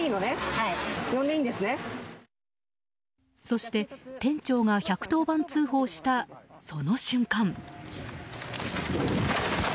そして、店長が１１０番通報したその瞬間。